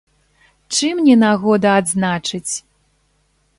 Чым не нагода адзначыць!